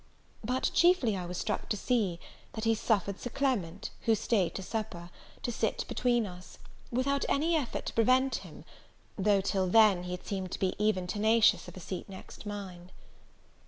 But chiefly I was struck to see, that he suffered Sir Clement, who stayed supper, to sit between us, without any effort to prevent him, though till then, he had seemed to be even tenacious of a seat next mine.